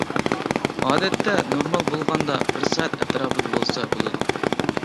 ئادەتتە نورمال بولغاندا بىر سائەت ئەتراپىدا بولسا بولىدۇ.